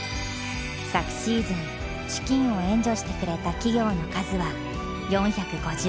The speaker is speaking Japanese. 昨シーズン資金を援助してくれた企業の数は４５０にも上った。